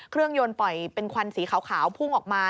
เครื่องยนต์ปล่อยเป็นควันสีขาวพุ่งออกมา